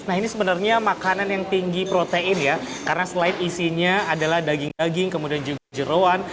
nah ini sebenarnya makanan yang tinggi protein ya karena selain isinya adalah daging daging kemudian juga jerawan